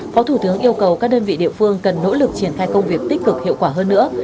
phó thủ tướng yêu cầu các đơn vị địa phương cần nỗ lực triển khai công việc tích cực hiệu quả hơn nữa